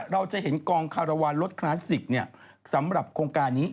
เราจะเห็นกองคารวาลรถคลาสสิกสำหรับโครงการนี้